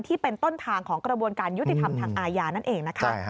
ที่เป็นต้นทางของกระบวนการยุติธรรมทางอาญานั่นเองนะคะ